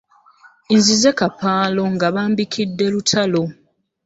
Nzize kapaalo nga bambikidde Lutalo.